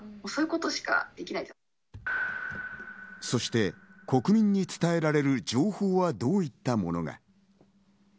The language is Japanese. そして国民に伝えられる情報はどういったものか。